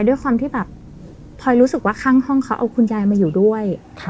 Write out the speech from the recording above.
ด้วยความที่แบบพลอยรู้สึกว่าข้างห้องเขาเอาคุณยายมาอยู่ด้วย